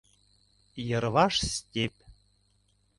Йырваш степь.